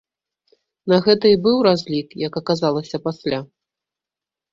На гэта і быў разлік, як аказалася пасля.